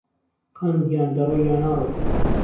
خانم گیان دهرۆی یا نارۆی